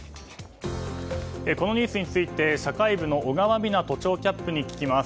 このニュースについて社会部の小川美那都庁キャップに聞きます。